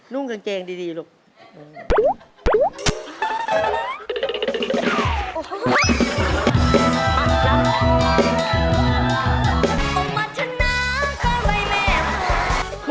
นุ่งกันเจ๋งดีลูก